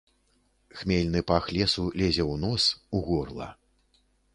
Хмельны пах лесу лезе ў нос, у горла.